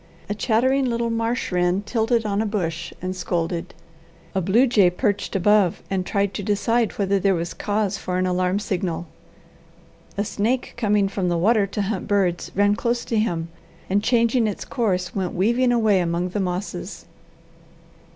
A chattering little marsh wren tilted on a bush and scolded. A blue jay perched above and tried to decide whether there was cause for an alarm signal. A snake coming from the water to hunt birds ran close to him, and changing its course, went weaving away among the mosses.